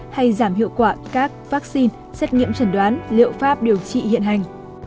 hay giảm hiệu quả các vaccine xét nghiệm trần đoán liệu pháp điều trị hiện hành